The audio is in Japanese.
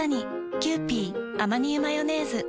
「キユーピーアマニ油マヨネーズ」